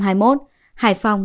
hải phòng hai trăm bốn mươi bảy